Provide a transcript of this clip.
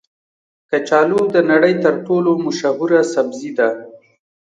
کچالو د نړۍ تر ټولو مشهوره سبزي ده